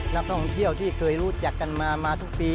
นักท่องเที่ยวที่เคยรู้จักกันมามาทุกปี